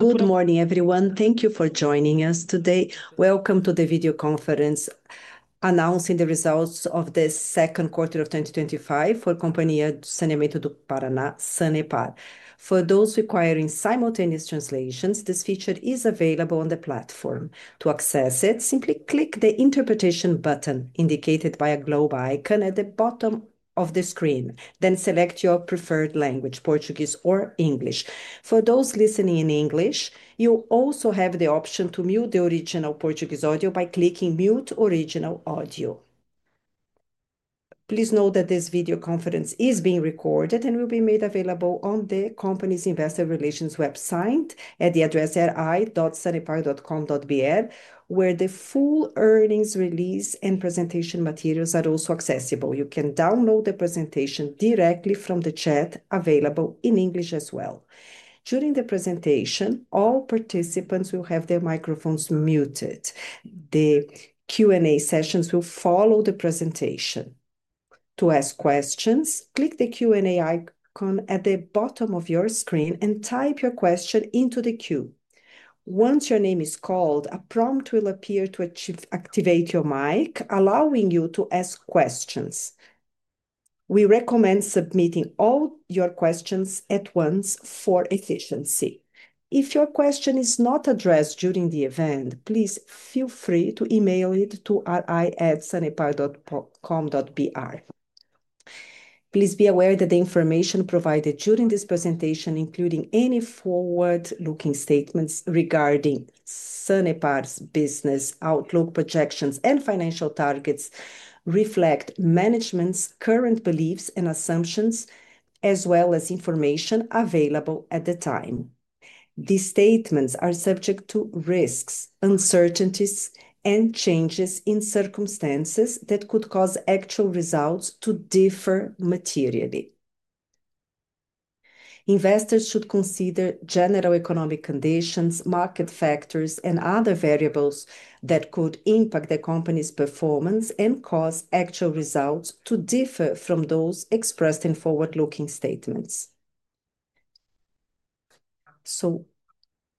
Good morning, everyone. Thank you for joining us today. Welcome to the video conference announcing the results of the Second Quarter of 2025 for Companhia de Saneamento do Paraná, Sanepar. For those requiring simultaneous translations, this feature is available on the platform. To access it, simply click the interpretation button indicated by a globe icon at the bottom of the screen. Then select your preferred language: Portuguese or English. For those listening in English, you also have the option to mute the original Portuguese audio by clicking "Mute Original Audio." Please note that this video conference is being recorded and will be made available on the company's investor relations website at the address ri.sanepar.com.br, where the full earnings release and presentation materials are also accessible. You can download the presentation directly from the chat available in English as well. During the presentation, all participants will have their microphones muted. The Q&A sessions will follow the presentation. To ask questions, click the Q&A icon at the bottom of your screen and type your question into the queue. Once your name is called, a prompt will appear to activate your mic, allowing you to ask questions. We recommend submitting all your questions at once for efficiency. If your question is not addressed during the event, please feel free to email it to ri@sanepar.com.br. Please be aware that the information provided during this presentation, including any forward-looking statements regarding Sanepar's business outlook, projections, and financial targets, reflect management's current beliefs and assumptions, as well as information available at the time. These statements are subject to risks, uncertainties, and changes in circumstances that could cause actual results to differ materially. Investors should consider general economic conditions, market factors, and other variables that could impact the company's performance and cause actual results to differ from those expressed in forward-looking statements. I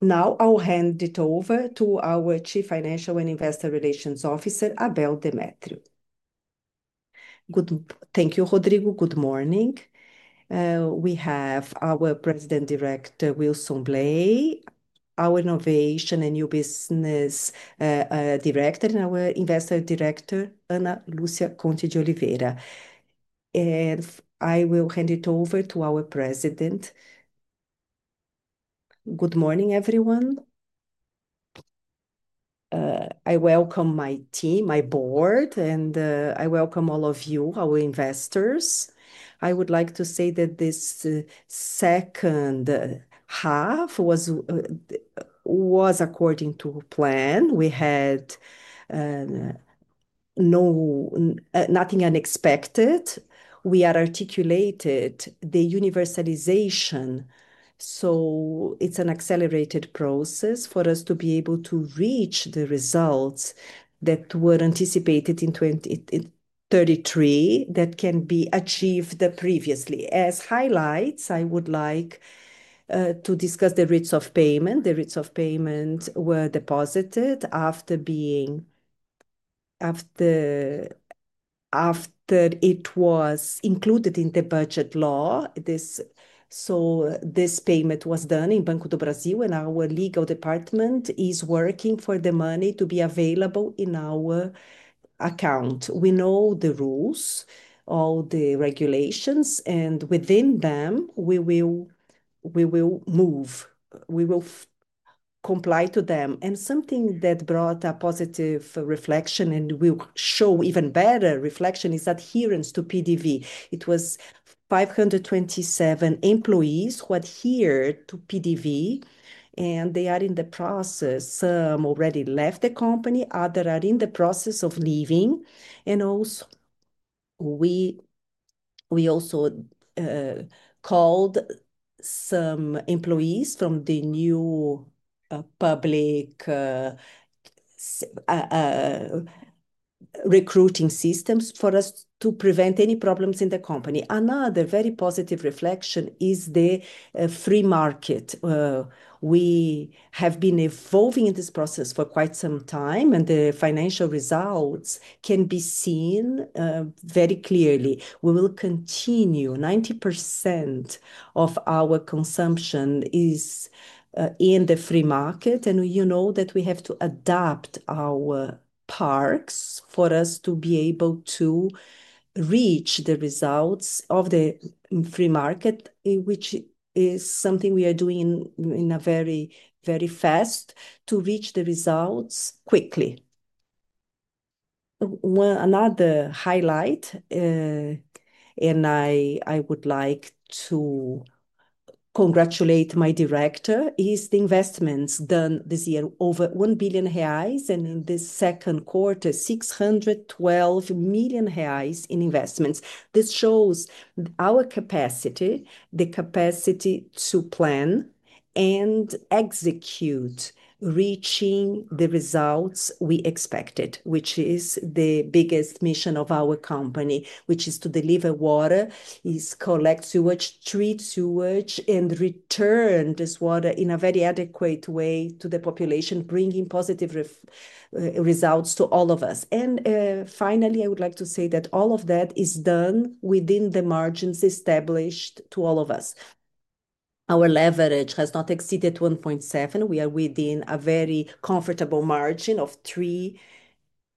will hand it over to our Chief Financial and Investor Relations Officer, Abel Demétrio. Thank you, Rodrigo. Good morning. We have our President-Director, Wilson Bley, our Innovation and New Business Director, and our Investor Director, Ana Lúcia Conti de Oliveira. I will hand it over to our President. Good morning, everyone. I welcome my team, my board, and I welcome all of you, our investors. I would like to say that this second half was according to plan. We had nothing unexpected. We had articulated the universalization. It's an accelerated process for us to be able to reach the results that were anticipated in 2023 that can be achieved previously. As highlights, I would like to discuss the rates of payment. The rates of payment were deposited after it was included in the budget law. This payment was done in Banco do Brasil, and our legal department is working for the money to be available in our account. We know the rules, all the regulations, and within them, we will move. We will comply with them. Something that brought a positive reflection and will show even better reflection is adherence to PDV. It was 527 employees who adhered to PDV, and they are in the process. Some already left the company. Others are in the process of leaving. We also called some employees from the new public recruiting systems for us to prevent any problems in the company. Another very positive reflection is the free market. We have been evolving in this process for quite some time, and the financial results can be seen very clearly. We will continue. 90% of our consumption is in the free market, and you know that we have to adapt our parks for us to be able to reach the results of the free market, which is something we are doing very, very fast to reach the results quickly. Another highlight, and I would like to congratulate my Director, is the investments done this year: over 1 billion reais and in this second quarter, 612 million reais in investments. This shows our capacity, the capacity to plan and execute, reaching the results we expected, which is the biggest mission of our company, which is to deliver water, collect sewage, treat sewage, and return this water in a very adequate way to the population, bringing positive results to all of us. Finally, I would like to say that all of that is done within the margins established to all of us. Our leverage has not exceeded 1.7. We are within a very comfortable margin of 3,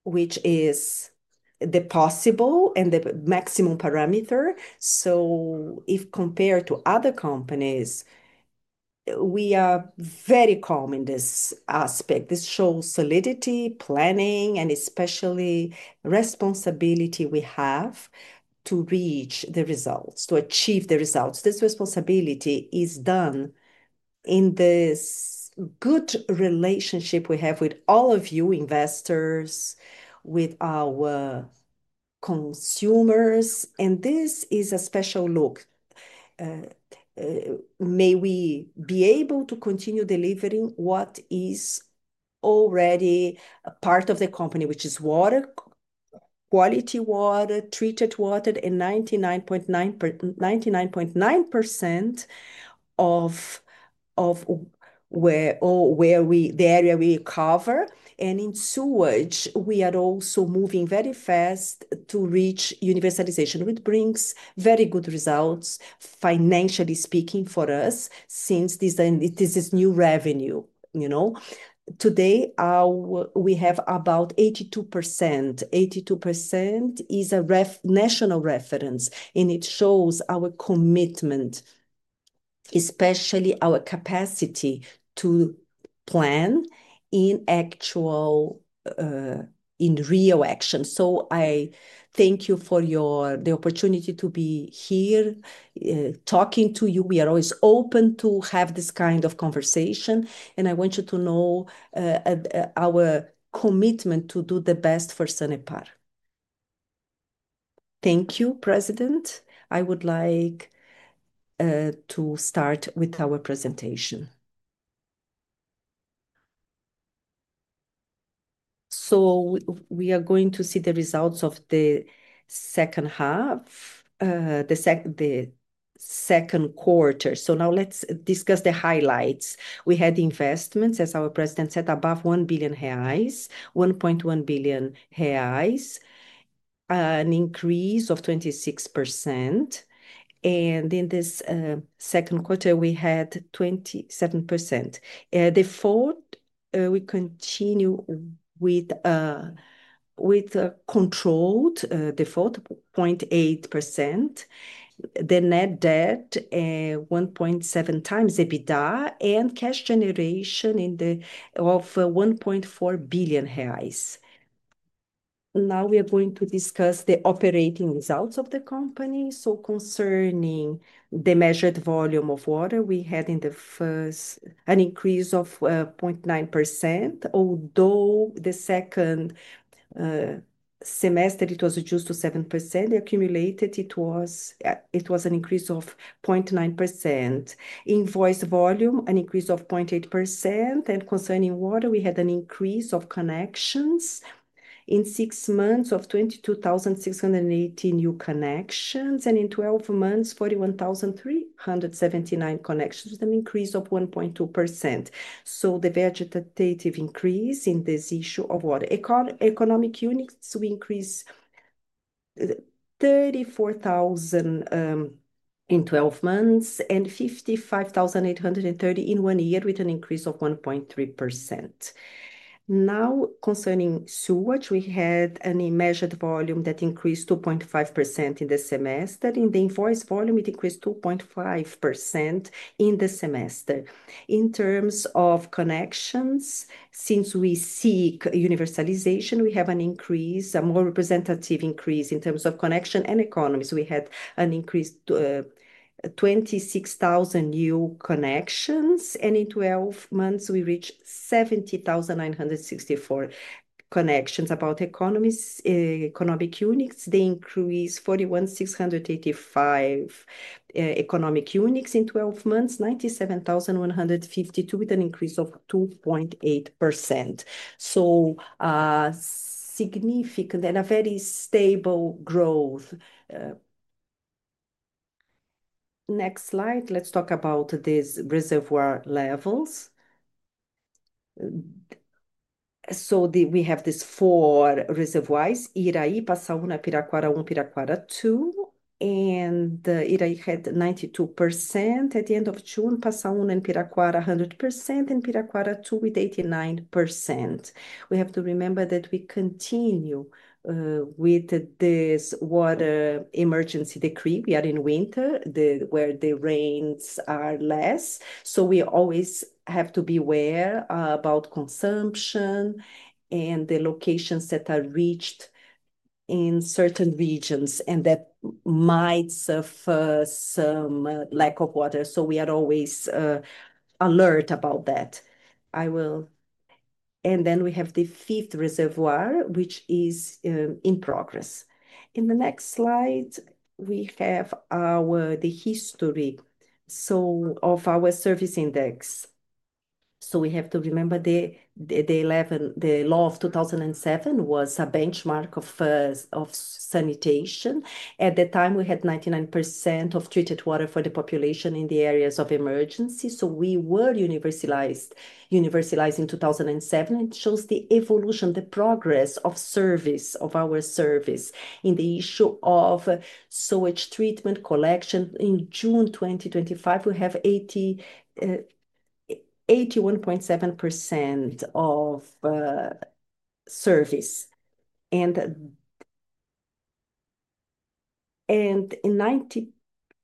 which is the possible and the maximum parameter. If compared to other companies, we are very calm in this aspect. This shows solidity, planning, and especially the responsibility we have to reach the results, to achieve the results. This responsibility is done in this good relationship we have with all of you, investors, with our consumers. This is a special look. May we be able to continue delivering what is already part of the company, which is water, quality water, treated water, and 99.9% of the area we cover. In sewage, we are also moving very fast to reach universalization, which brings very good results, financially speaking, for us since this is new revenue. You know, today we have about 82%. 82% is a national reference, and it shows our commitment, especially our capacity to plan in real, in real action. I thank you for the opportunity to be here talking to you. We are always open to have this kind of conversation. I want you to know our commitment to do the best for Sanepar. Thank you, President. I would like to start with our presentation. We are going to see the Results of the Second Half, the Second Quarter. Now let's discuss the highlights. We had investments, as our President said, above 1 billion reais, 1.1 billion reais, an increase of 26%. In this second quarter, we had 27%. Default, we continue with controlled default, 0.8%. The net debt, 1.7x EBITDA, and cash generation of 1.4 billion reais. Now we are going to discuss the operating results of the company. Concerning the measured volume of water, we had in the first an increase of 0.9%. Although the second semester, it was reduced to 7%. The accumulated, it was an increase of 0.9%. Invoice volume, an increase of 0.8%. Concerning water, we had an increase of connections. In six months, 22,680 new connections. In 12 months, 41,379 connections with an increase of 1.2%. The vegetative increase in this issue of water. Economic units, we increased 34,000 in 12 months and 55,830 in one year with an increase of 1.3%. Now, concerning sewage, we had an immeasured volume that increased 2.5% in the semester. In the invoice volume, it increased 2.5% in the semester. In terms of connections, since we seek universalization, we have an increase, a more representative increase in terms of connection and economies. We had an increase of 26,000 new connections. In 12 months, we reached 70,964 connections. About economic units, they increased 4,685 economic units in 12 months, 97,152 with an increase of 2.8%. Significant and a very stable growth. Next slide, let's talk about these reservoir levels. We have these four reservoirs, Iraí, Passaúna, Piraquara I, Piraquara II. Iraí had 92% at the end of June, Passaúna and Piraquara 100%, and Piraquara II with 89%. We have to remember that we continue with this water emergency decree. We are in winter, where the rains are less. We always have to be aware about consumption and the locations that are reached in certain regions and that might suffer some lack of water. We are always alert about that. We have the fifth reservoir, which is in progress. In the next slide, we have the history of our service index. We have to remember the law of 2007 was a benchmark of sanitation. At the time, we had 99% of treated water for the population in the areas of emergency. We were universalized in 2007. It shows the evolution, the progress of service, of our service in the issue of sewage treatment collection. In June 2025, we have 81.7% of service and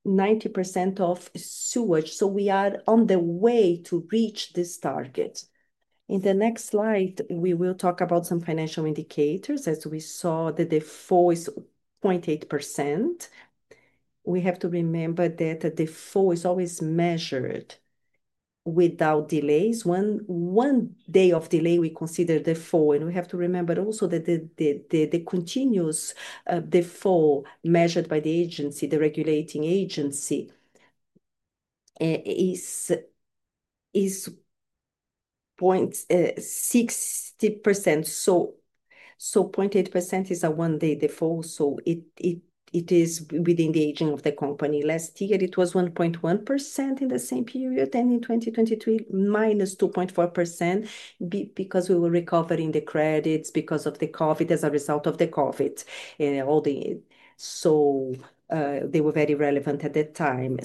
90% of sewage. We are on the way to reach this target. In the next slide, we will talk about some financial indicators. As we saw, the default is 0.8%. We have to remember that the default is always measured without delays. One day of delay, we consider default. We have to remember also that the continuous default measured by the agency, the regulating agency, is 0.60%. 0.8% is a one-day default. It is within the aging of the company. Last year, it was 1.1% in the same period. In 2023, -2.4% because we were recovering the credits because of the COVID, as a result of the COVID. They were very relevant at that time.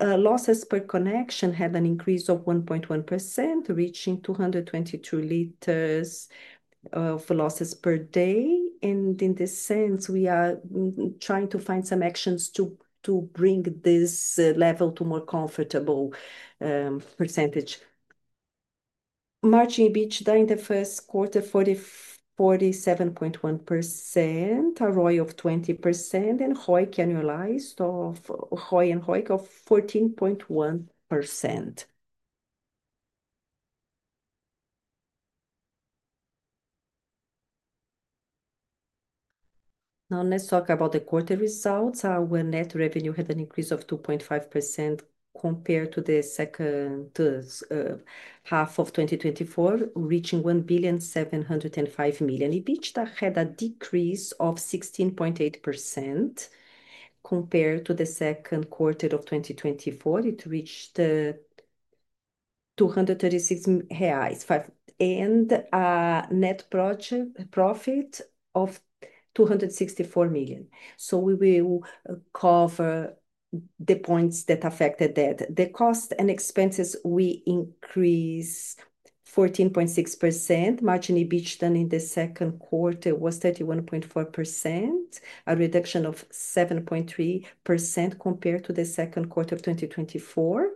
Losses per connection have an increase of 1.1%, reaching 222 liters of losses per day. In this sense, we are trying to find some actions to bring this level to a more comfortable percentage. Margem EBITDA in the first quarter, 47.1%. ROI of 20%. HOIC annualized of 14.1%. Now let's talk about the quarter results. Our net revenue had an increase of 2.5% compared to the second half of 2024, reaching 1.705 billion. EBITDA had a decrease of 16.8% compared to the second quarter of 2024. It reached 236 million reais and a net profit of 264 million. We will cover the points that affected that. The cost and expenses, we increased 14.6%. Margem EBITDA in the second quarter was 31.4%, a reduction of 7.3% compared to the second quarter of 2024.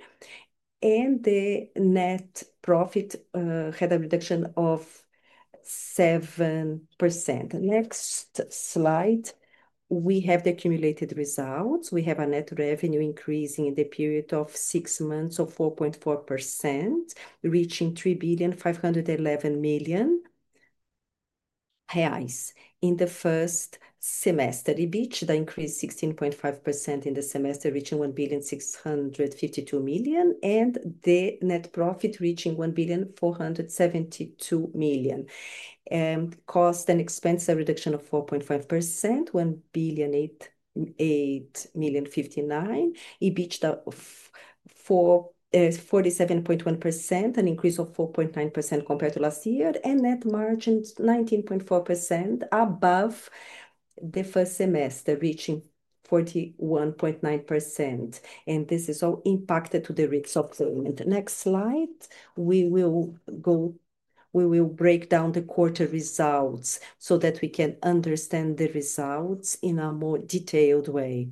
The net profit had a reduction of 7%. Next slide, we have the accumulated results. We have a net revenue increase in the period of six months of 4.4%, reaching 3.511 billion in the first semester. EBITDA increased 16.5% in the semester, reaching 1.652 billion, and the net profit reaching 1.472 billion. Cost and expense, a reduction of 4.5%, 1.859 billion. EBITDA 47.1%, an increase of 4.9% compared to last year. Net margin 19.4% above the first semester, reaching 41.9%. This is all impacted to the rates of payment. Next slide, we will break down the quarter results so that we can understand the results in a more detailed way.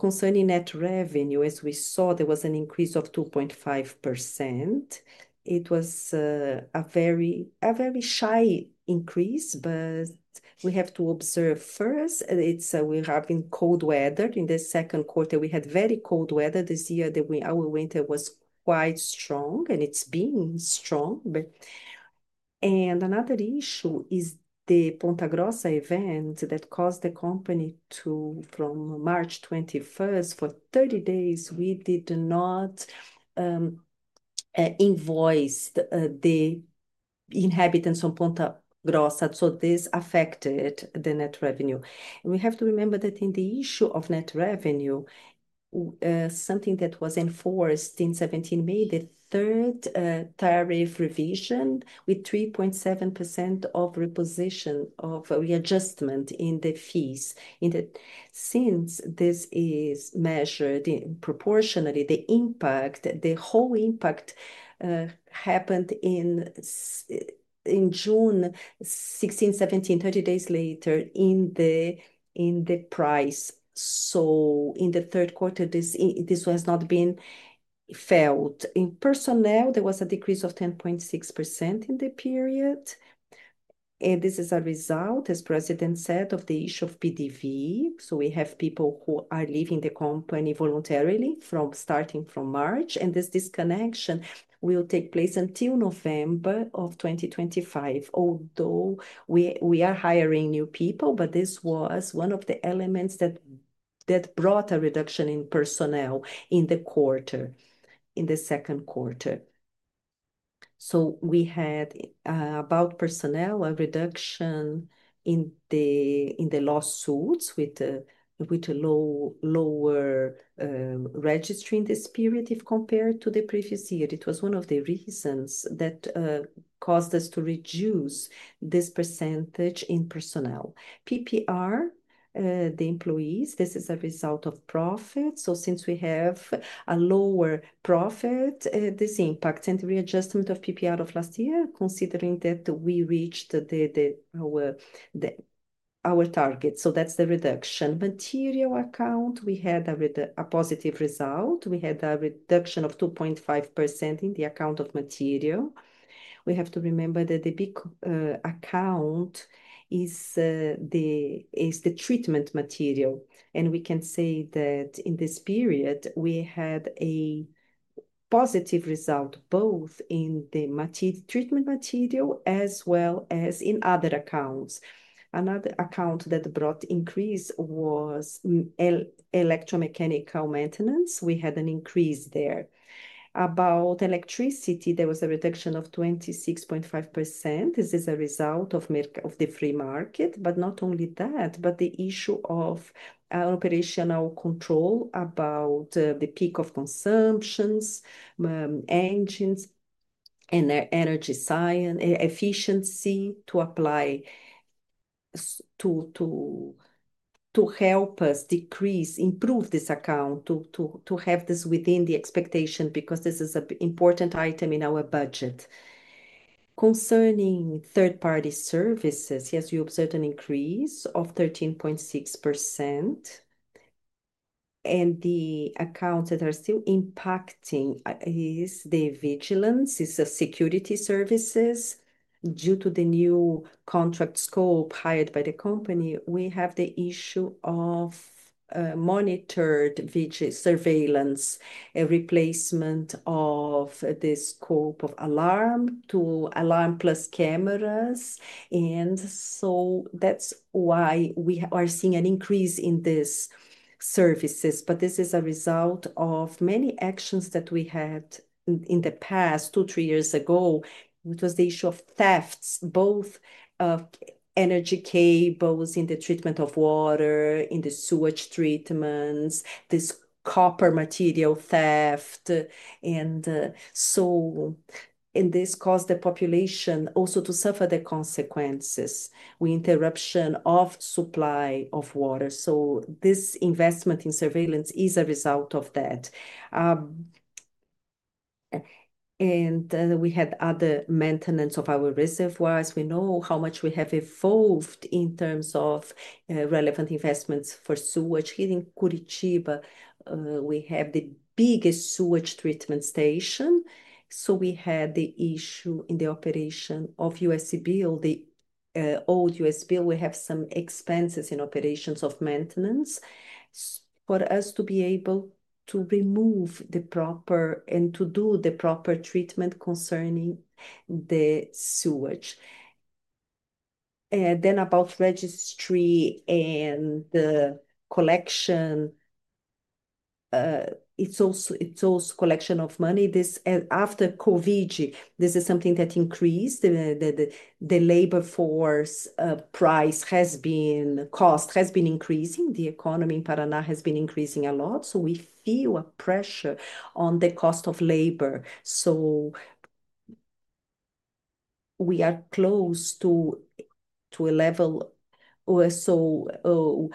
Concerning net revenue, as we saw, there was an increase of 2.5%. It was a very shy increase, but we have to observe first. We have been cold weather. In the second quarter, we had very cold weather. This year, our winter was quite strong, and it's been strong. Another issue is the Ponta Grossa event that caused the company to, from March 21st, for 30 days, we did not invoice the inhabitants of Ponta Grossa. This affected the net revenue. We have to remember that in the issue of net revenue, something that was enforced in 2017 made the third tariff revision with 3.7% of reposition of readjustment in the fees. Since this is measured proportionally, the impact, the whole impact happened in June 2016, 2017, 30 days later in the price. In the third quarter, this has not been felt. In personnel, there was a decrease of 10.6% in the period. This is a result, as President said, of the issue of PDV. We have people who are leaving the company voluntarily starting from March. This disconnection will take place until November of 2025. Although we are hiring new people, this was one of the elements that brought a reduction in personnel in the second quarter. We had about personnel, a reduction in the lawsuits with a lower registry in this period if compared to the previous year. It was one of the reasons that caused us to reduce this percentage in personnel. PPR, the employees, this is a result of profit. Since we have a lower profit, this impacts and the readjustment of PPR of last year, considering that we reached our target. That's the reduction. Material account, we had a positive result. We had a reduction of 2.5% in the account of material. We have to remember that the big account is the treatment material. We can say that in this period, we had a positive result both in the treatment material as well as in other accounts. Another account that brought increase was electromechanical maintenance. We had an increase there. About electricity, there was a reduction of 26.5%. This is a result of the free market. Not only that, the issue of operational control about the peak of consumptions, engines, and energy efficiency to apply to help us decrease, improve this account, to have this within the expectation because this is an important item in our budget. Concerning third-party services, yes, you observed an increase of 13.6%. The accounts that are still impacting is the vigilance. It's the security services. Due to the new contract scope hired by the company, we have the issue of monitored surveillance, a replacement of the scope of alarm to alarm plus cameras. That's why we are seeing an increase in these services. This is a result of many actions that we had in the past, two, three years ago. It was the issue of thefts, both of energy cables, in the treatment of water, in the sewage treatments, this copper material theft. This caused the population also to suffer the consequences, the interruption of supply of water. This investment in surveillance is a result of that. We had other maintenance of our reservoirs. We know how much we have evolved in terms of relevant investments for sewage. Here in Curitiba, we have the biggest sewage treatment station. We had the issue in the operation of U.S. bill, the old U.S. bill. We have some expenses in operations of maintenance for us to be able to remove the proper and to do the proper treatment concerning the sewage. About registry and the collection, it's also a collection of money. This after COVID, this is something that increased. The labor force price has been, cost has been increasing. The economy in Paraná has been increasing a lot. We feel a pressure on the cost of labor. We are close to a level or so.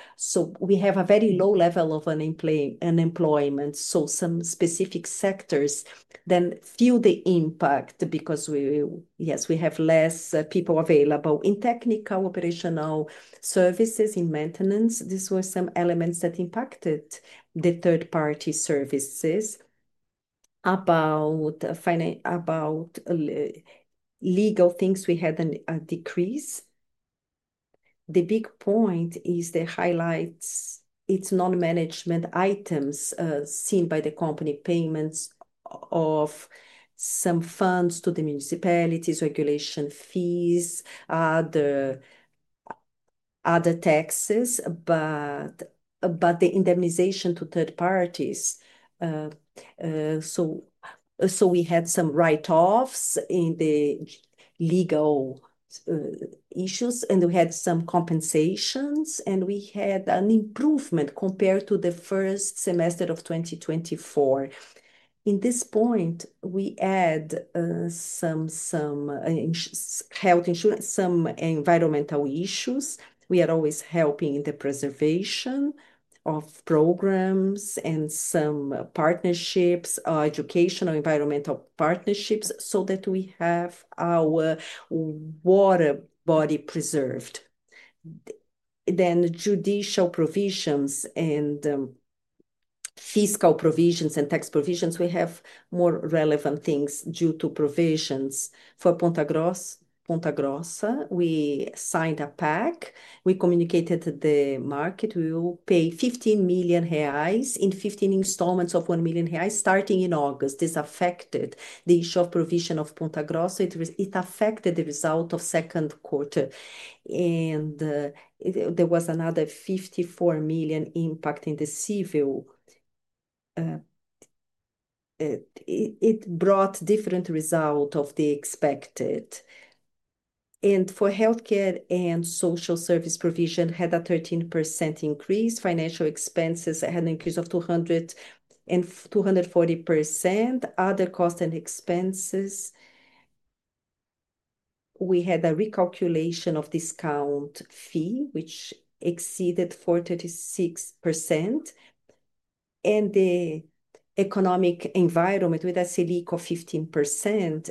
We have a very low level of unemployment. Some specific sectors then feel the impact because we, yes, we have less people available in technical operational services, in maintenance. These were some elements that impacted the third-party services. About legal things, we had a decrease. The big point is the highlights. It's non-management items seen by the company, payments of some funds to the municipalities, regulation fees, other taxes, but the indemnization to third parties. We had some write-offs in the legal issues, and we had some compensations, and we had an improvement compared to the first semester of 2024. At this point, we add some health insurance, some environmental issues. We are always helping in the preservation of programs and some partnerships, educational, environmental partnerships so that we have our water body preserved. Judicial provisions and fiscal provisions and tax provisions, we have more relevant things due to provisions for Ponta Grossa. We signed a pact. We communicated to the market, we will pay 15 million reais in 15 installments of 1 million reais starting in August. This affected the issue of provision of Ponta Grossa. It affected the result of the second quarter. There was another 54 million impact in the civil. It brought different results than expected. For healthcare and social service provision, had a 13% increase. Financial expenses had an increase of 240%. Other costs and expenses, we had a recalculation of discount fee, which exceeded 46%. The economic environment with a Selic of 15%.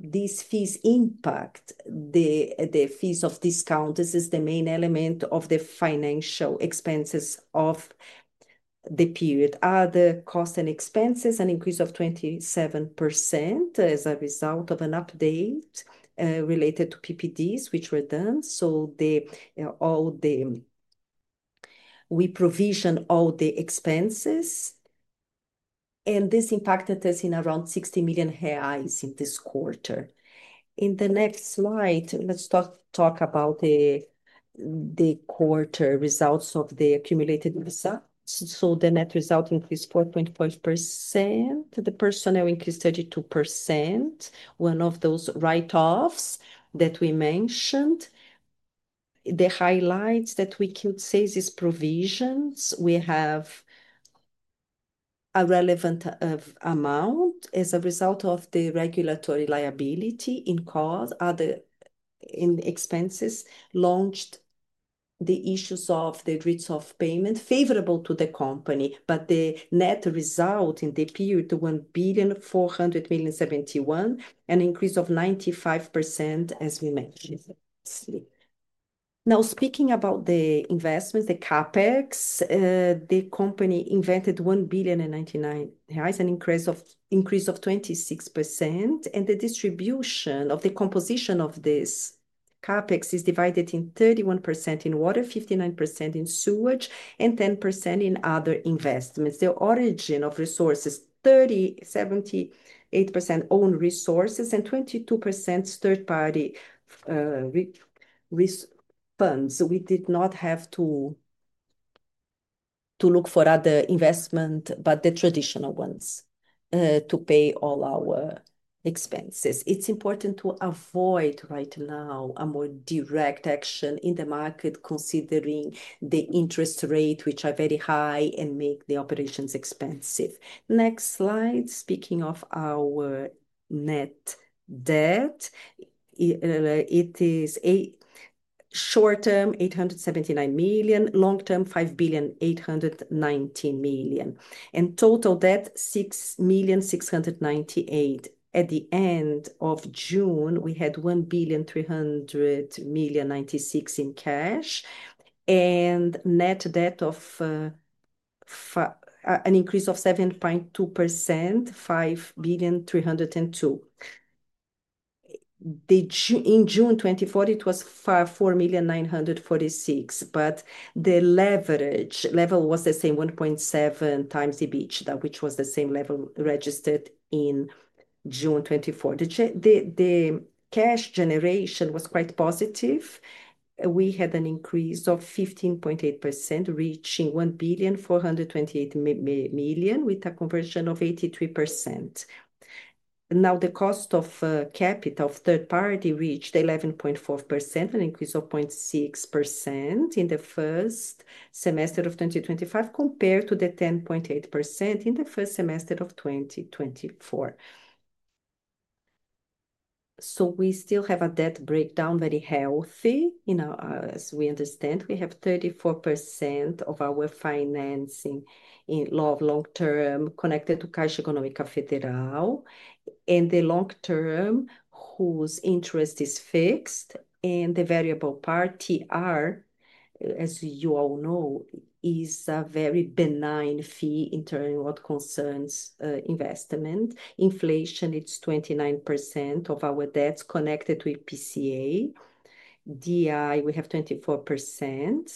These fees impact the fees of discount. This is the main element of the financial expenses of the period. Other costs and expenses, an increase of 27% as a result of an update related to PPDs, which were done. We provision all the expenses. This impacted us in around 60 million reais in this quarter. In the next slide, let's talk about the quarter results of the accumulated results. The net result increased 4.5%. The personnel increased 32%. One of those write-offs that we mentioned, the highlights that we can say these provisions, we have a relevant amount as a result of the regulatory liability in cause. Other expenses launched the issues of the rates of payment favorable to the company. The net result in the period to 1,400,071,000, an increase of 95% as we mentioned. Now, speaking about the investments, the CapEx, the company invested 1.099 billion an increase of 26%. The distribution of the composition of this CapEx is divided in 31% in water, 59% in sewage, and 10% in other investments. The origin of resources, 30, 70, 8% owned resources and 22% third-party funds. We did not have to look for other investments, but the traditional ones to pay all our expenses. It's important to avoid right now a more direct action in the market considering the interest rates, which are very high and make the operations expensive. Next slide, speaking of our net debt, it is short-term BRL 879 million, long-term 5,819,000,000. Total debt, 6,698,000,000. At the end of June, we had 1.3 billion in cash and net debt of an increase of 7.2%, 5.302 billion. In June 2024, it was 4.946 billion. The leverage level was the same, 1.7x EBITDA, which was the same level registered in June 2024. The cash generation was quite positive. We had an increase of 15.8%, reaching 1.428 billion with a conversion of 83%. The cost of capital of third party reached 11.4%, an increase of 0.6% in the first semester of 2025 compared to the 10.8% in the first semester of 2024. We still have a debt breakdown very healthy. As we understand, we have 34% of our financing in law of long-term connected to Caixa Econômica Federal. The long-term, whose interest is fixed, and the variable part are, as you all know, a very benign fee in terms of what concerns investment. Inflation, it's 29% of our debts connected to IPCA. DI, we have 24%.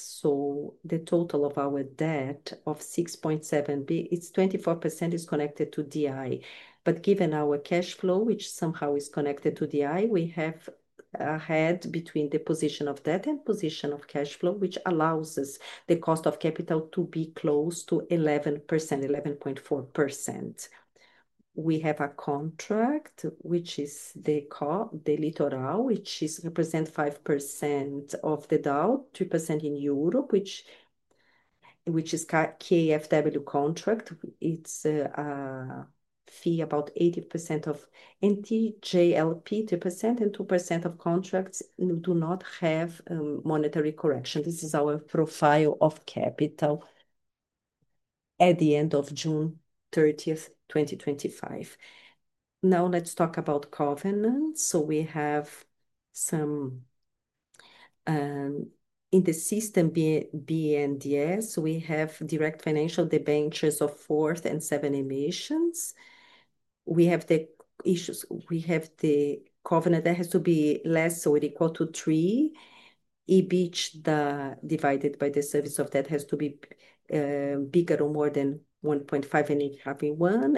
The total of our debt of 6.7 billion, 24% is connected to DI. Given our cash flow, which somehow is connected to DI, we have a hedge between the position of debt and position of cash flow, which allows us the cost of capital to be close to 11%, 11.4%. We have a contract, which is the Litoral, which represents 5% of the DAO, 2% in Europe, which is KfW contract. It's a fee about 80% of NTJLP, 2%, and 2% of contracts do not have monetary correction. This is our profile of capital at the end of June 30th, 2025. Now let's talk about governance. We have some in the system BNDES. We have direct financial debentures of fourth and seventh emissions. We have the governance that has to be less or equal to three. EBITDA divided by the service of debt has to be bigger or more than 1.5 and it should be one.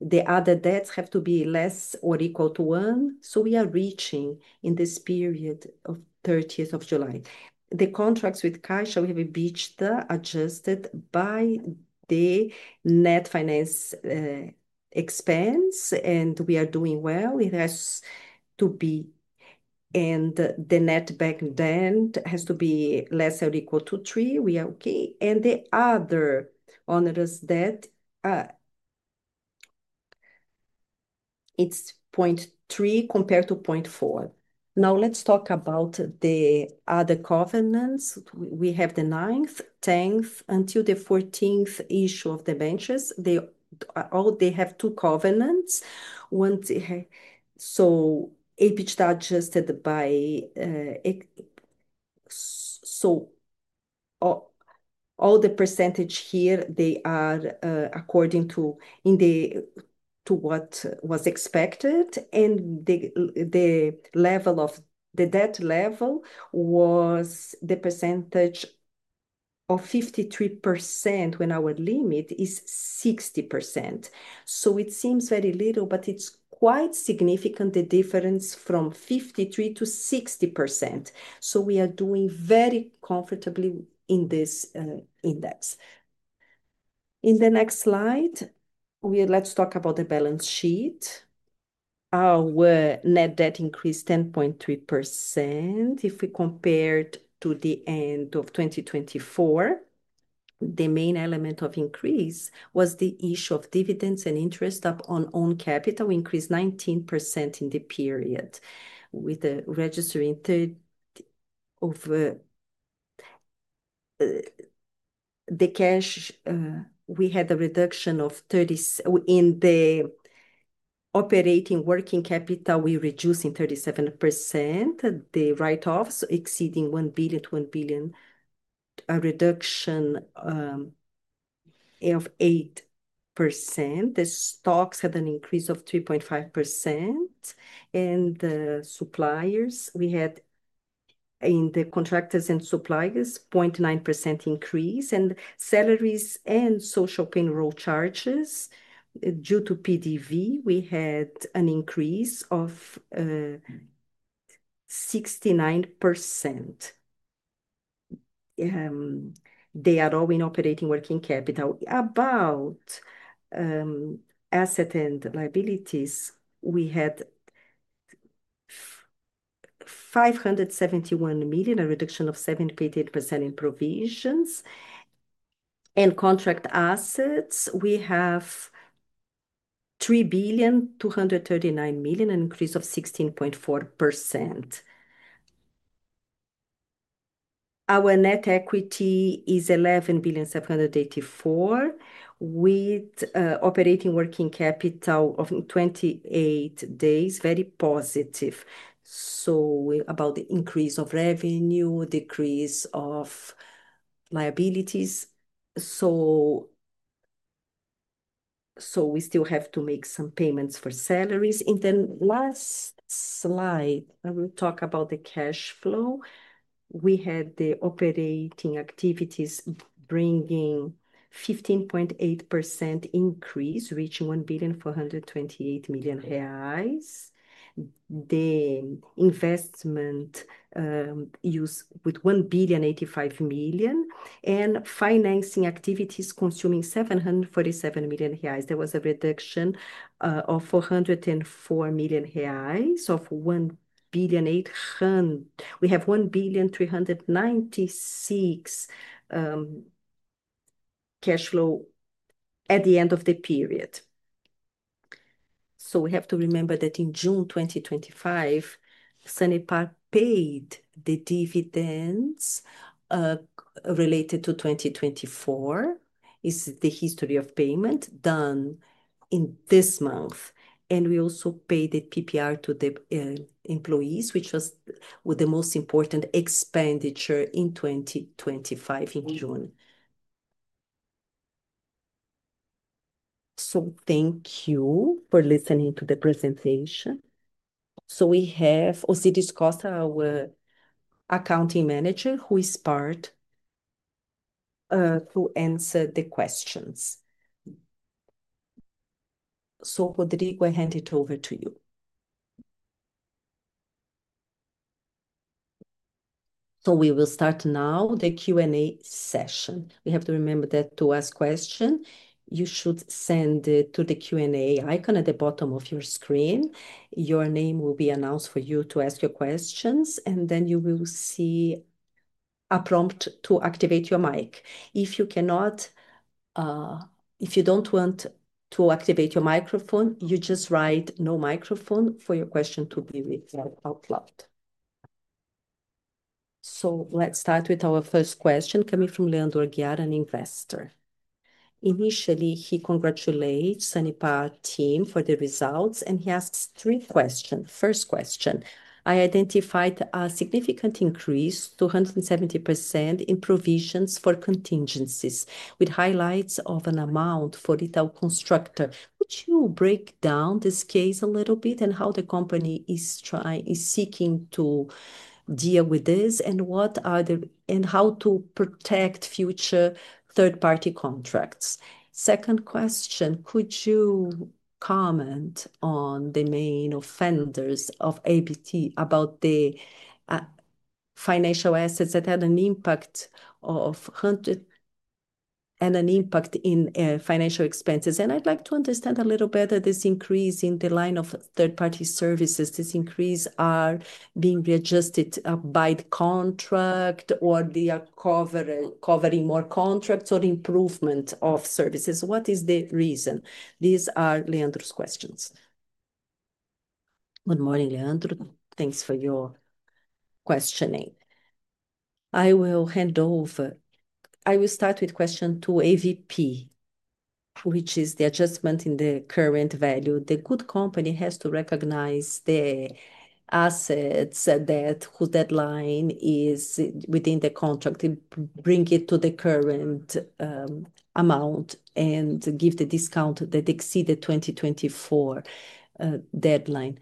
The other debts have to be less or equal to one. We are reaching in this period of 30th of July. The contracts with Caixa have EBITDA adjusted by the net finance expense, and we are doing well. It has to be. The net back then has to be less or equal to three. We are okay. The other onerous debt, it's 0.3 compared to 0.4. Now let's talk about the other governance. We have the ninth, 10th, until the 14th issue of debentures. They all have two governance. EBITDA adjusted by so all the percentage here, they are according to what was expected. The debt level was the percentage of 53% when our limit is 60%. It seems very little, but it's quite significant, the difference from 53% to 60%. We are doing very comfortably in this index. In the next slide, let's talk about the balance sheet. Our net debt increased 10.3%. If we compare to the end of 2024, the main element of increase was the issue of dividends and interest on owned capital, increased 19% in the period. With the registering of the cash, we had a reduction in the operating working capital, we reduced in 37%. The write-offs exceeding 1 billion, to 1 billion, a reduction of 8%. The stocks had an increase of 3.5%. The suppliers, we had in the contractors and suppliers, 0.9% increase. Salaries and social payroll charges due to PDV, we had an increase of 69%. They are all in operating working capital. About assets and liabilities, we had 571 million, a reduction of 7.8% in provisions. Contract assets, we have 3.239 billion, an increase of 16.4%. Our net equity is 11.784 billion with operating working capital of 28 days, very positive. About the increase of revenue, decrease of liabilities. We still have to make some payments for salaries. In the last slide, I will talk about the cash flow. We had the operating activities bringing 15.8% increase, reaching 1.428 billion. The investment used with 1.85 billion. Financing activities consuming 747 million reais. There was a reduction of 404 million reais of [1.8 billion]. We have 1.396 billion cash flow at the end of the period. We have to remember that in June 2025, Sanepar paid the dividends related to 2024. This is the history of payment done in this month. We also paid the PPR to the employees, which was the most important expenditure in 2025, in June. Thank you for listening to the presentation. We have also discussed our accounting manager, who is part to answer the questions. Rodrigo, I hand it over to you. We will start now the Q&A session. We have to remember that to ask questions, you should send to the Q&A icon at the bottom of your screen. Your name will be announced for you to ask your questions, and then you will see a prompt to activate your mic. If you don't want to activate your microphone, you just write "no microphone" for your question to be read out loud. Let's start with our first question coming from Leandro Aguiar, an investor. Initially, he congratulates Sanepar team for the results, and he asks three questions. First question, I identified a significant increase, 270% in provisions for contingencies, with highlights of an amount for Retail Constructor. Would you break down this case a little bit and how the company is seeking to deal with this and how to protect future third-party contracts? Second question, could you comment on the main offenders of AVP about the financial assets that had an impact in financial expenses? I'd like to understand a little better this increase in the line of third-party services. This increase is being readjusted by the contract, or they are covering more contracts or improvement of services. What is the reason? These are Leandro's questions. Good morning, Leandro. Thanks for your questioning. I will hand over. I will start with question two, AVP, which is the adjustment in the current value. The company has to recognize the assets whose deadline is within the contract, bring it to the current amount, and give the discount that exceeded the 2024 deadline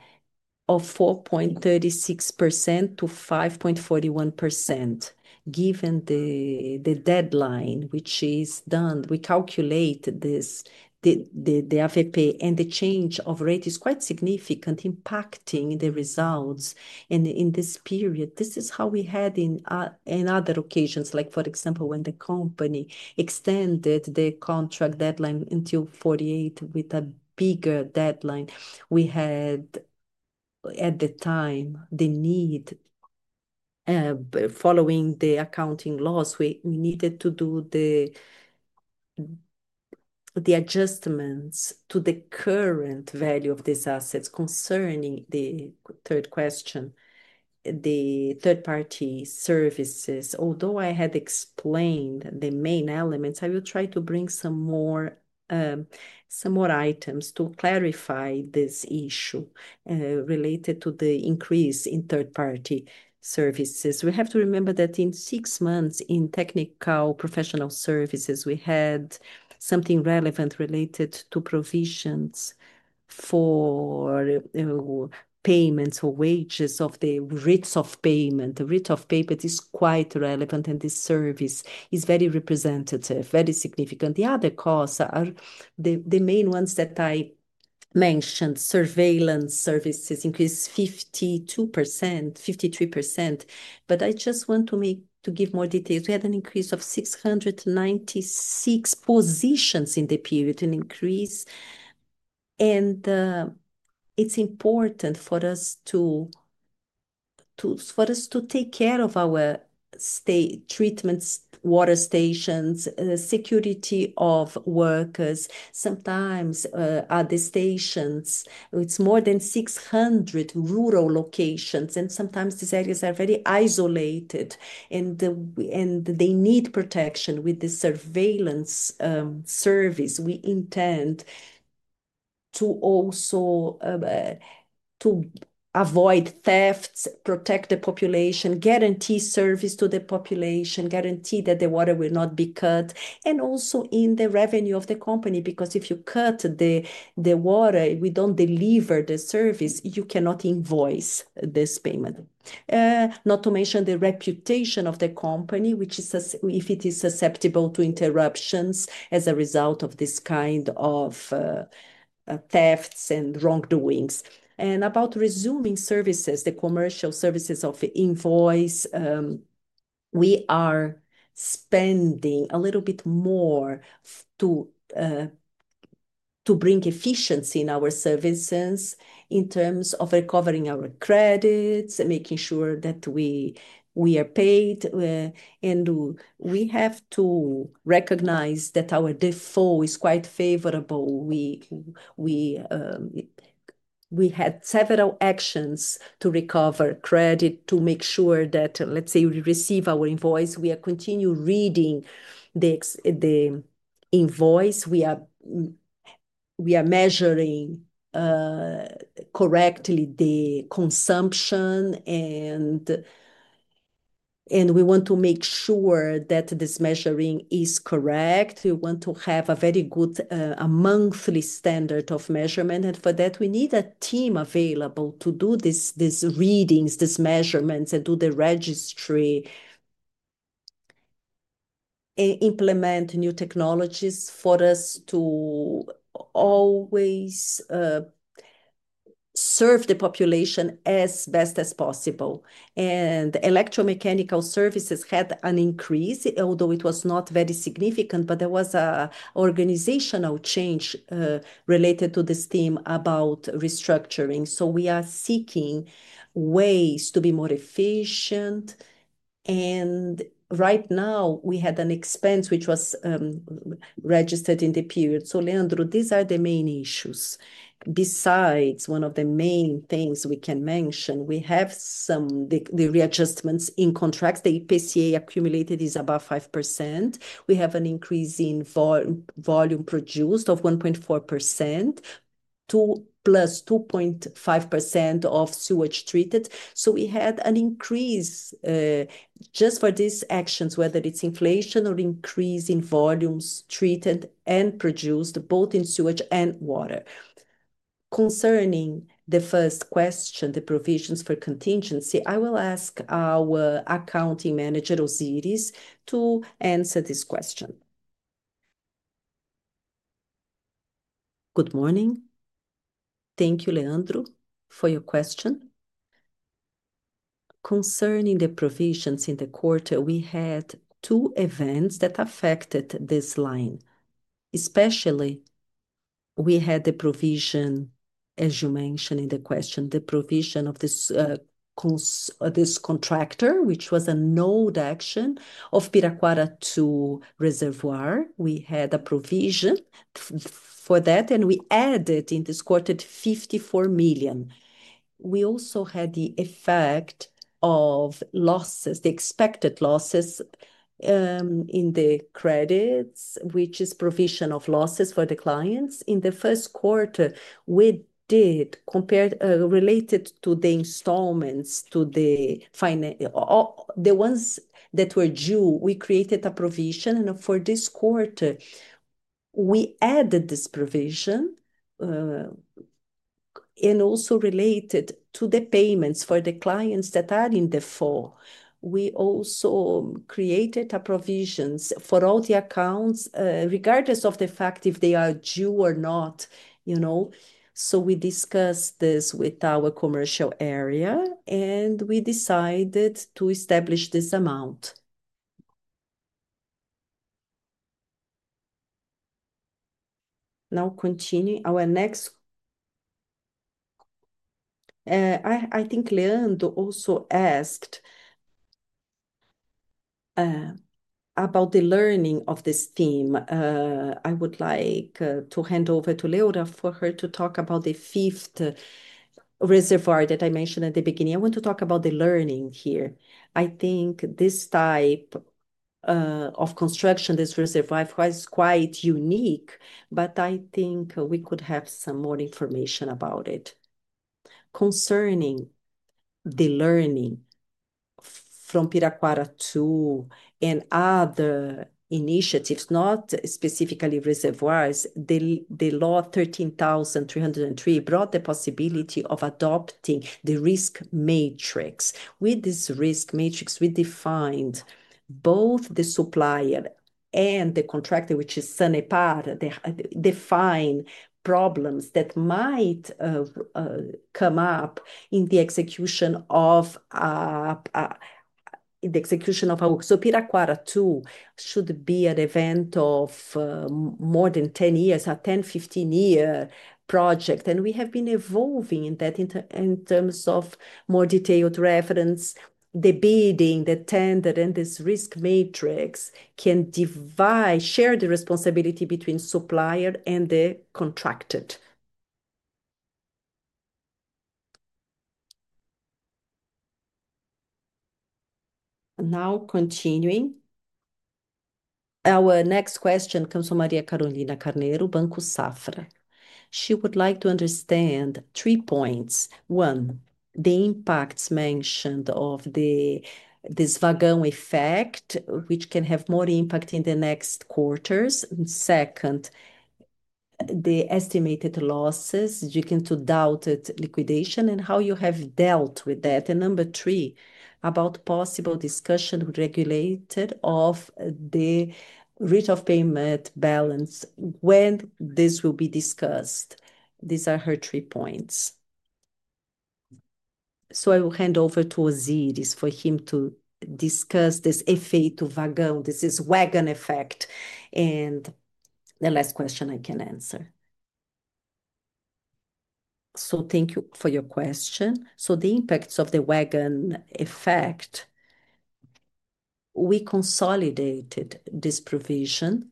of 4.36% to 5.41%. Given the deadline, which is done, we calculate this, the AVP, and the change of rate is quite significant, impacting the results. In this period, this is how we had in other occasions, like for example, when the company extended the contract deadline until 2048 with a bigger deadline. We had at the time the need, following the accounting laws, we needed to do the adjustments to the current value of these assets. Concerning the third question, the third-party services, although I had explained the main elements, I will try to bring some more items to clarify this issue related to the increase in third-party services. We have to remember that in six months in technical professional services, we had something relevant related to provisions for payments or wages of the rates of payment. The rate of payment is quite relevant, and this service is very representative, very significant. The other costs are the main ones that I mentioned. Surveillance services increased 52%, 53%. I just want to give more details. We had an increase of 696 positions in the period, an increase. It's important for us to take care of our state treatments, water stations, the security of workers. Sometimes at the stations, it's more than 600 rural locations, and sometimes these areas are very isolated, and they need protection. With the surveillance service, we intend to also avoid thefts, protect the population, guarantee service to the population, guarantee that the water will not be cut, and also in the revenue of the company. Because if you cut the water and we don't deliver the service, you cannot invoice this payment. Not to mention the reputation of the company, which is if it is susceptible to interruptions as a result of this kind of thefts and wrongdoings. About resuming services, the commercial services of invoice, we are spending a little bit more to bring efficiency in our services in terms of recovering our credits, making sure that we are paid. We have to recognize that our default is quite favorable. We had several actions to recover credit, to make sure that, let's say, we receive our invoice. We are continuing reading the invoice. We are measuring correctly the consumption, and we want to make sure that this measuring is correct. We want to have a very good monthly standard of measurement. For that, we need a team available to do these readings, these measurements, and do the registry and implement new technologies for us to always serve the population as best as possible. Electromechanical services had an increase, although it was not very significant, but there was an organizational change related to this team about restructuring. We are seeking ways to be more efficient. Right now, we had an expense which was registered in the period. Leandro, these are the main issues. Besides, one of the main things we can mention, we have some readjustments in contracts. The EPCA accumulated is above 5%. We have an increase in volume produced of 1.4%, +2.5% of sewage treated. We had an increase just for these actions, whether it's inflation or increase in volumes treated and produced, both in sewage and water. Concerning the first question, the provisions for contingency, I will ask our Accounting Manager, Ozires, to answer this question. Good morning. Thank you, Leandro, for your question. Concerning the provisions in the quarter, we had two events that affected this line. Especially, we had the provision, as you mentioned in the question, the provision of this contractor, which was a node action of Piraquara II reservoir. We had a provision for that, and we added in this quarter 54 million. We also had the effect of losses, the expected losses in the credits, which is a provision of losses for the clients. In the first quarter, we did related to the installments, to the ones that were due, we created a provision. For this quarter, we added this provision and also related to the payments for the clients that are in default. We also created provisions for all the accounts, regardless of the fact if they are due or not. We discussed this with our commercial area, and we decided to establish this amount. Now continuing our next. I think Leandro also asked about the learning of this team. I would like to hand over to Leandro for her to talk about the fifth reservoir that I mentioned at the beginning. I want to talk about the learning here. I think this type of construction, this reservoir, is quite unique, but I think we could have some more information about it. Concerning the learning from Piraquara II and other initiatives, not specifically reservoirs, the law 13,303 brought the possibility of adopting the risk matrix. With this risk matrix, we defined both the supplier and the contractor, which is Sanepar, define problems that might come up in the execution of our work. Piraquara II should be an event of more than 10 years, a 10, 15-year project. We have been evolving in that in terms of more detailed reference, the bidding, the tender, and this risk matrix can share the responsibility between supplier and the contracted. Now continuing. Our next question comes from Maria Carolina Carneiro, Banco Safra. She would like to understand three points. One, the impacts mentioned of this wagon effect, which can have more impact in the next quarters. Second, the estimated losses due to doubted liquidation and how you have dealt with that. Number three, about possible discussion with regulator of the rate of payment balance when this will be discussed. These are her three points. I will hand over to Ozires for him to discuss this effect of wagon, this is wagon effect, and the last question I can answer. Thank you for your question. The impacts of the wagon effect, we consolidated this provision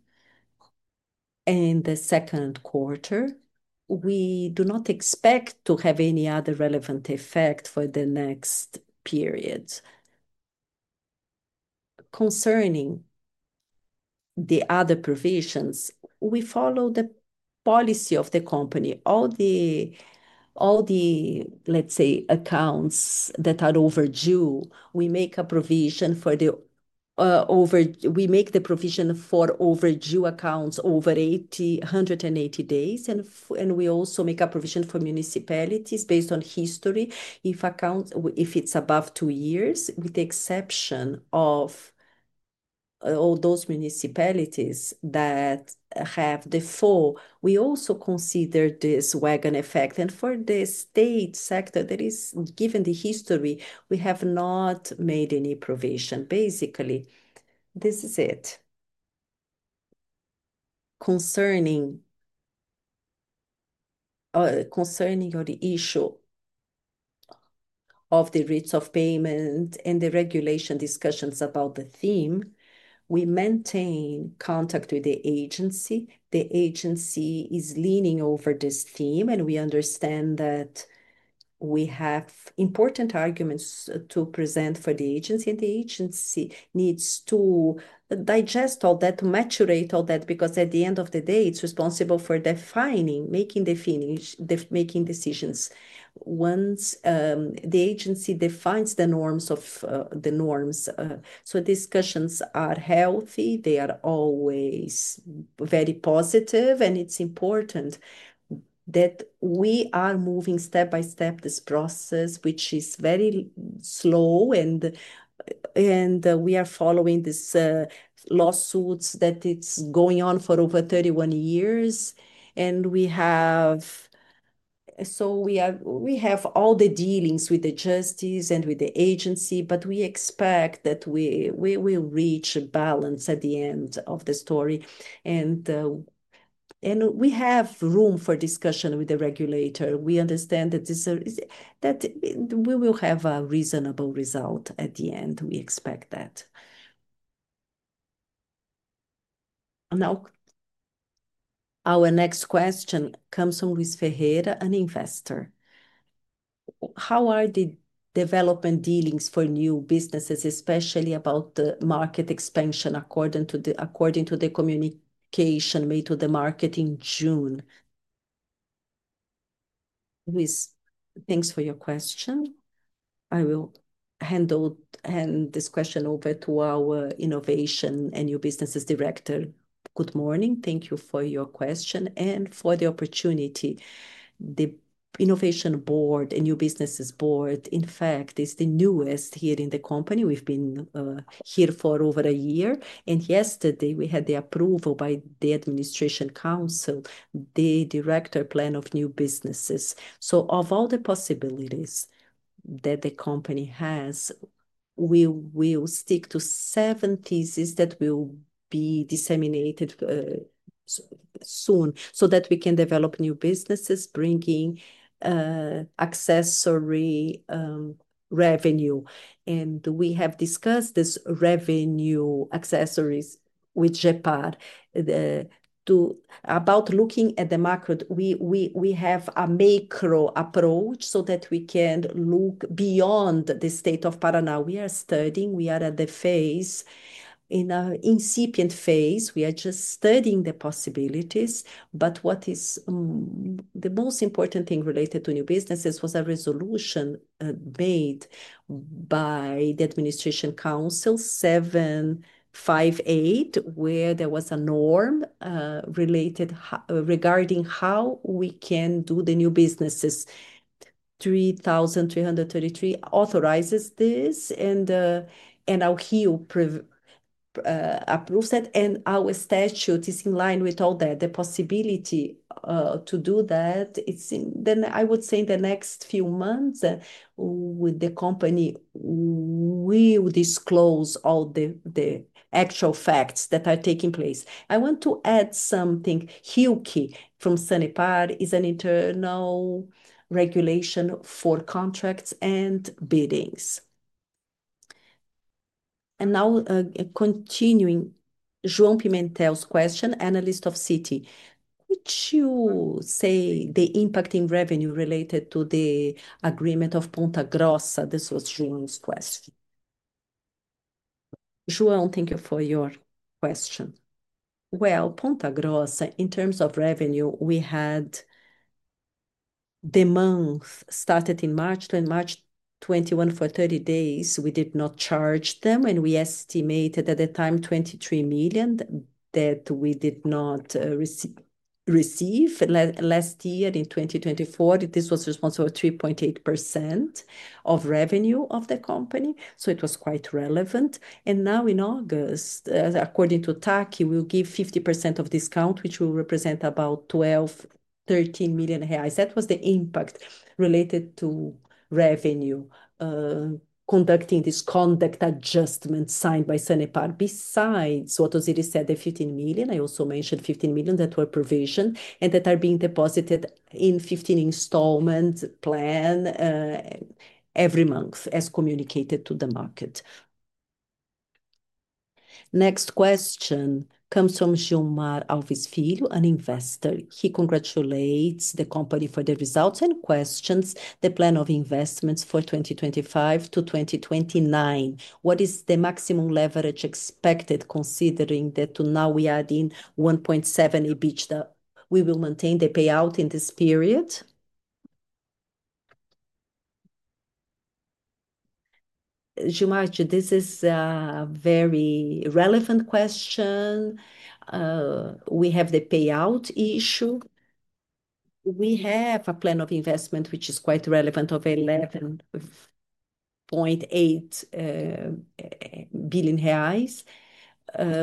in the second quarter. We do not expect to have any other relevant effect for the next periods. Concerning the other provisions, we follow the policy of the company. All the accounts that are overdue, we make a provision for the overdue accounts over 180 days. We also make a provision for municipalities based on history. If accounts, if it's above two years, with the exception of all those municipalities that have default, we also consider this wagon effect. For the state sector, that is given the history, we have not made any provision. Basically, this is it. Concerning the issue of the rates of payment and the regulation discussions about the theme, we maintain contact with the agency. The agency is leaning over this theme, and we understand that we have important arguments to present for the agency, and the agency needs to digest all that, to maturate all that, because at the end of the day, it's responsible for defining, making decisions. Once the agency defines the norms of the norms, discussions are healthy. They are always very positive, and it's important that we are moving step by step this process, which is very slow. We are following these lawsuits that are going on for over 31 years. We have all the dealings with the justice and with the agency, but we expect that we will reach a balance at the end of the story. We have room for discussion with the regulator. We understand that we will have a reasonable result at the end. We expect that. Now, our next question comes from Luiz Ferreira, an investor. How are the development dealings for new businesses, especially about the market expansion according to the communication made to the market in June? Luiz, Thanks for your question. I will hand this question over to our Innovation and New Businesses Director. Good morning. Thank you for your question and for the opportunity. The Innovation Board and New Businesses Board, in fact, is the newest here in the company. We've been here for over a year. Yesterday, we had the approval by the Administration Council, the Director Plan of New Businesses. Of all the possibilities that the company has, we will stick to seven thesis that will be disseminated soon so that we can develop new businesses, bringing accessory revenue. We have discussed this revenue accessories with GEPAR about looking at the market. We have a macro approach so that we can look beyond the State of Paraná. We are studying. We are at the phase, in an incipient phase. We are just studying the possibilities. What is the most important thing related to new businesses was a resolution made by the Administration Council, 758, where there was a norm regarding how we can do the new businesses. 3,333 authorizes this, and our HU approves it. Our statute is in line with all that. The possibility to do that, it's in, then I would say, in the next few months with the company, we will disclose all the actual facts that are taking place. I want to add something. HUCI from Sanepar is an internal regulation for contracts and biddings. Now, continuing João Pimentel's question, analyst of Citi, would you say the impact in revenue related to the agreement of Ponta Grossa? This was João's question. João, thank you for your question. Ponta Grossa, in terms of revenue, we had the month started in March 2021. For 30 days, we did not charge them. We estimated at the time 23 million that we did not receive. Last year, in 2024, this was responsible for 3.8% of revenue of the company. It was quite relevant. Now, in August, according to TACCI, we'll give 50% of discount, which will represent about 12 million-13 million reais. That was the impact related to revenue, conducting this conduct adjustment signed by Sanepar. Besides, what Ozires said, the 15 million, I also mentioned 15 million that were provisioned and that are being deposited in 15 installment plan every month as communicated to the market. Next question comes from Gilmar Alves Filho, an investor. He congratulates the company for the results and questions the plan of investments for 2025 to 2029. What is the maximum leverage expected considering that to now we are at 1.7x EBITDA? We will maintain the payout in this period? Gilmar, this is a very relevant question. We have the payout issue. We have a plan of investment which is quite relevant of 11.8 billion reais.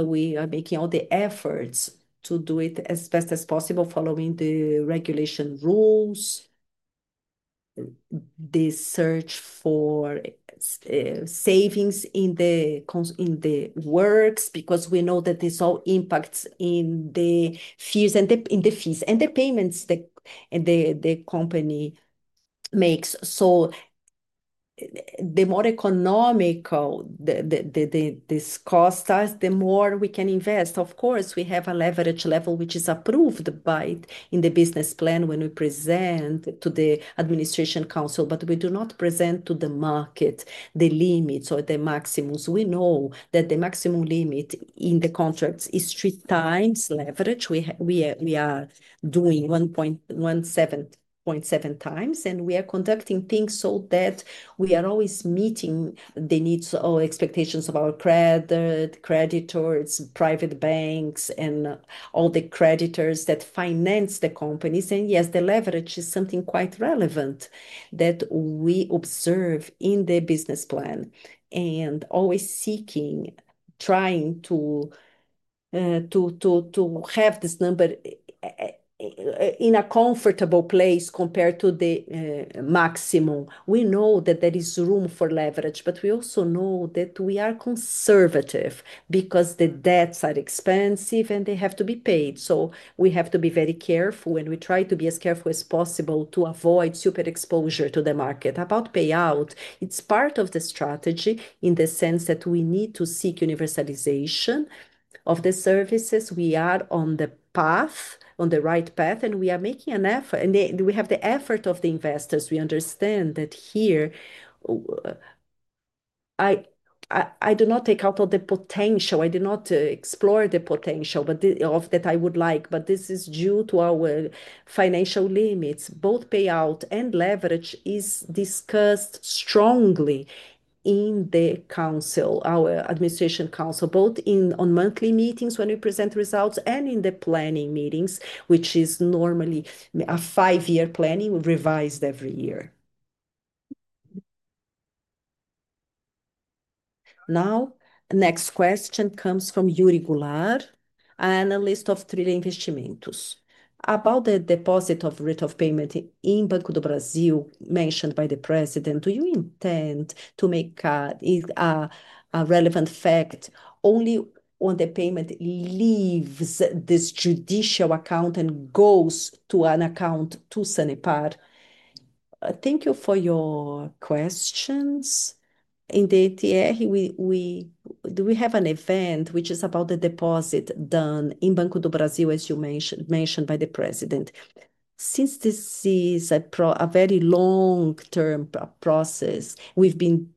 We are making all the efforts to do it as best as possible following the regulation rules. The search for savings in the works because we know that this all impacts in the fees and the payments that the company makes. The more economical this cost us, the more we can invest. Of course, we have a leverage level which is approved in the business plan when we present to the Administration Council, but we do not present to the market the limits or the maximums. We know that the maximum limit in the contracts is 3x leverage. We are doing 1.7x, and we are conducting things so that we are always meeting the needs or expectations of our creditors, private banks, and all the creditors that finance the companies. Yes, the leverage is something quite relevant that we observe in the business plan. Always seeking, trying to have this number in a comfortable place compared to the maximum. We know that there is room for leverage, but we also know that we are conservative because the debts are expensive and they have to be paid. We have to be very careful and we try to be as careful as possible to avoid super exposure to the market. About payout, it's part of the strategy in the sense that we need to seek universalization of the services. We are on the path, on the right path, and we are making an effort. We have the effort of the investors. We understand that here I do not take out all the potential. I do not explore the potential that I would like, but this is due to our financial limits. Both payout and leverage are discussed strongly in the council, our Administration Council, both in monthly meetings when we present results and in the planning meetings, which is normally a five-year planning revised every year. The next question comes from Hiury Goulart, analyst of Trilha Investimentos. About the deposit of rate of payment in Banco do Brasil mentioned by the president, do you intend to make a relevant fact only when the payment leaves this judicial account and goes to an account to Sanepar? Thank you for your questions. In the ETF, we have an event which is about the deposit done in Banco do Brasil, as you mentioned by the president. Since this is a very long-term process, we've been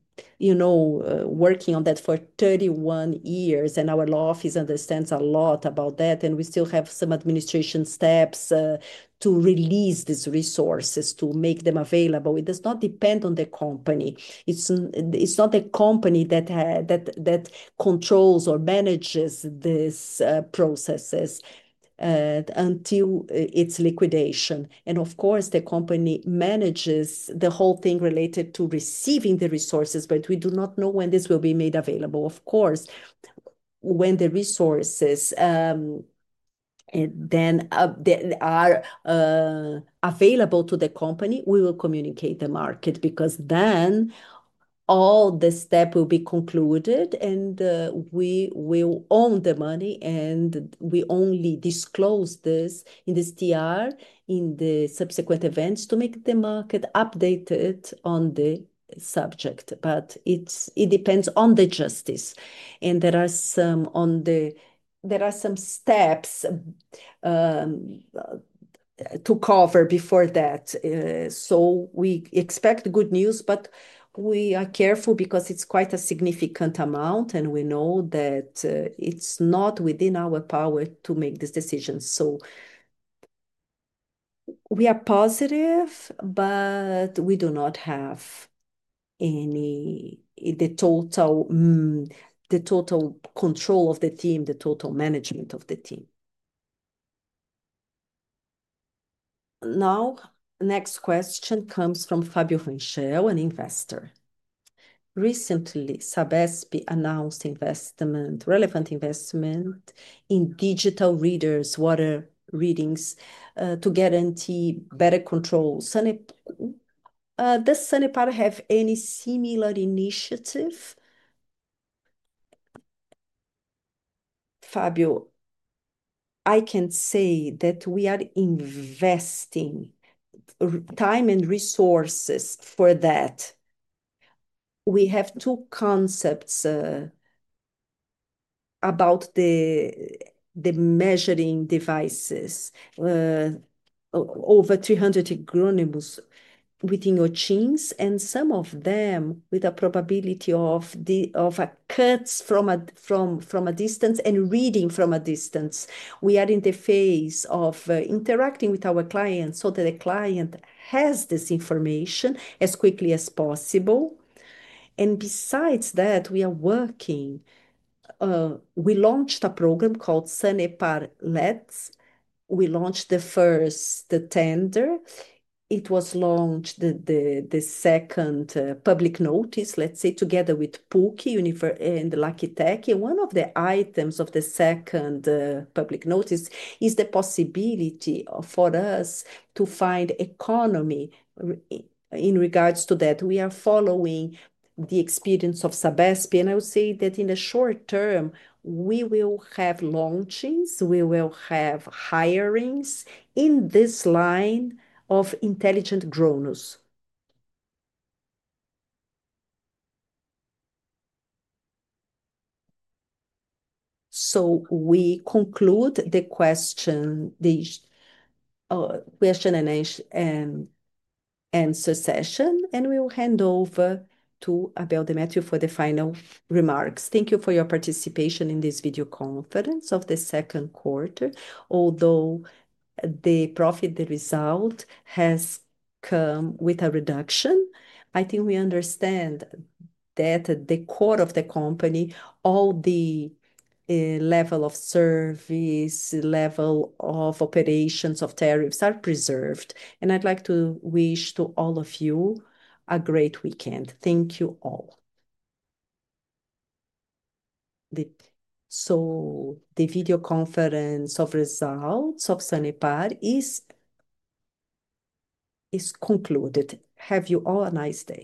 working on that for 31 years, and our law office understands a lot about that. We still have some administration steps to release these resources, to make them available. It does not depend on the company. It's not the company that controls or manages these processes until its liquidation. Of course, the company manages the whole thing related to receiving the resources, but we do not know when this will be made available. When the resources are available to the company, we will communicate the market because then all the step will be concluded and we will own the money. We only disclose this in the STR, in the subsequent events to make the market updated on the subject. It depends on the justice. There are some steps to cover before that. We expect good news, but we are careful because it's quite a significant amount and we know that it's not within our power to make this decision. We are positive, but we do not have the total control of the team, the total management of the team. The next question comes from Fabio Ranchel, an investor. Recently, Sabesp announced relevant investment in digital readers, water readings to guarantee better control. Does Sanepar have any similar initiative? Fabio, I can say that we are investing time and resources for that. We have two concepts about the measuring devices, over 300 agronomists within Ochins, and some of them with a probability of cuts from a distance and reading from a distance. We are in the phase of interacting with our clients so that the client has this information as quickly as possible. Besides that, we are working. We launched a program called Sanepar LED. We launched the first, the tender. It was launched the second public notice, let's say, together with PUCI and LACHITECH. One of the items of the second public notice is the possibility for us to find economy in regards to that. We are following the experience of Sabesp. I would say that in the short term, we will have launches, we will have hirings in this line of intelligent agronomists. We conclude the question and answer session, and we will hand over to Abel Demétrio for the final remarks. Thank you for your participation in this video conference of the second quarter. Although the profit, the result has come with a reduction, I think we understand that the core of the company, all the level of service, the level of operations of tariffs are preserved. I'd like to wish to all of you a great weekend. Thank you all. The video conference of results of Companhia de Saneamento do Paraná is concluded. Have you all a nice day.